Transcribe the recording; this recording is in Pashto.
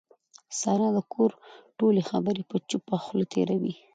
ساره د کور ټولې خبرې په چوپه خوله تېروي.